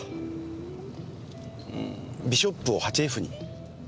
ビショップを８Ｆに。